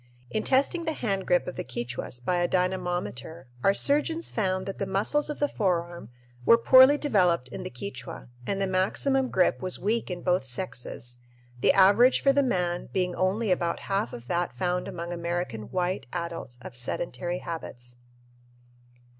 In testing the hand grip of the Quichuas by a dynamometer our surgeons found that the muscles of the forearm were poorly developed in the Quichua and the maximum grip was weak in both sexes, the average for the man being only about half of that found among American white adults of sedentary habits.